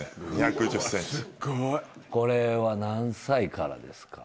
これは何歳からですか？